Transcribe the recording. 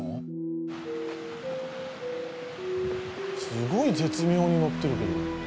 すごい絶妙にのってるけど。